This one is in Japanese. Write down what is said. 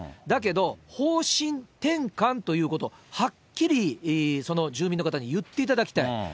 だけど、方針転換ということを、はっきり住民の方に言っていただきたい。